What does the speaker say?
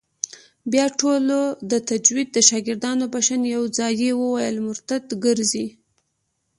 بيا ټولو د تجويد د شاگردانو په شان يو ځايي وويل مرتد کرزى.